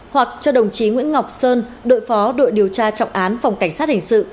hoặc cho đồng chí nguyễn ngọc sơn đội phó đội điều tra trọng án phòng cảnh sát hình sự